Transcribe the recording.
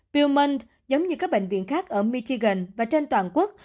viewman giống như các bệnh viện khác ở michigan và trên toàn quốc